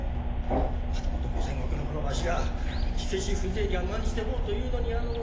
旗本五千石のわしが火消し風情に甘んじておるというのに大岡め！